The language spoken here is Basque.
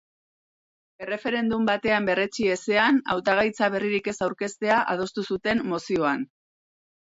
Erreferendum batean berretsi ezean hautagaitza berririk ez aurkeztea adostu zuten mozioan.